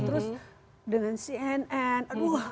terus dengan cnn